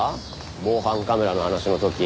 防犯カメラの話の時。